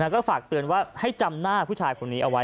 ก็ฝากเตือนว่าให้จำหน้าผู้ชายคนนี้เอาไว้